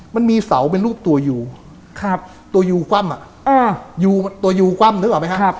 มันมีเสาเป็นรูปตัวยูตัวยูคว่ำนึกออกไหมฮะ